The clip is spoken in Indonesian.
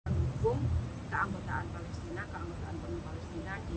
dan hukum keanggotaan palestina keanggotaan penuh palestina di bd